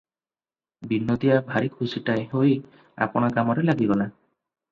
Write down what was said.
ବିନୋଦିଆ ଭାରି ଖୁସିଟାଏ ହୋଇ ଆପଣା କାମରେ ଲାଗିଗଲା ।